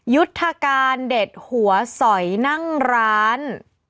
ยุทธการเด็ดหัวสอยนั่งร้าน